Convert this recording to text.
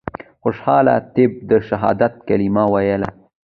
خوشحال طیب د شهادت کلمه ویله.